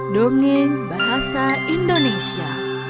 dongeng bahasa indonesia